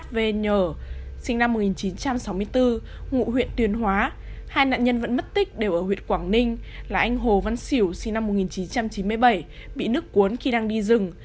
bị nước cuốn khi đang đi rừng